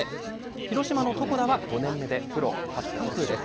広島の床田は５年目でプロ初完封です。